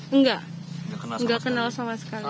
enggak enggak kenal sama sekali